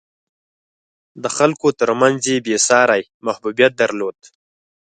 د خلکو ترمنځ یې بېساری محبوبیت درلود.